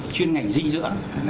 chuyên ngành dinh dưỡng